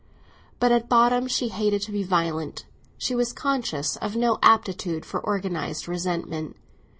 But at the bottom she hated to be violent, and she was conscious of no aptitude for organised resentment.